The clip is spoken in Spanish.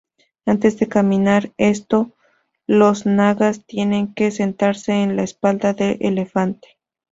Antes de caminar esto, los Nagas tienen que sentarse en la espalda de elefante.